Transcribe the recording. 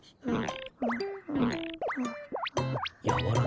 うん。